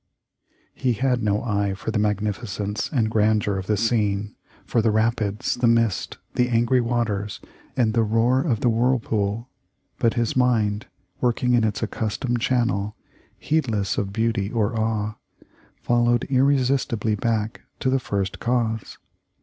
He had no eye for the magnificence and grandeur of the scene, for the rapids, the mist, the angry waters, and the roar of the whirlpool, but his mind, working in its accustomed channel, heedless of beauty or awe, followed irresistibly back to the first cause.